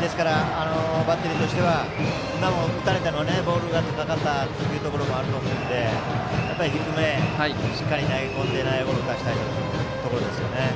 ですから、バッテリーとしては今のを打たれたのはボールが高かったのもあるので低め、しっかり投げ込んで内野ゴロを打たせたいですね。